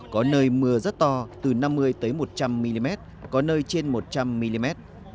có nơi mưa rất to từ năm mươi một trăm linh mm có nơi trên một trăm linh mm